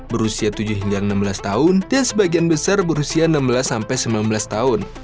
berusia tujuh hingga enam belas tahun dan sebagian besar berusia enam belas sampai sembilan belas tahun